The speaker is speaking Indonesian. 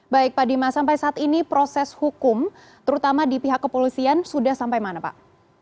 baik pak dima sampai saat ini proses hukum terutama di pihak kepolisian sudah sampai mana pak